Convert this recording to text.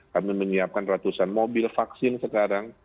kami menyiapkan ratusan mobil vaksin sekarang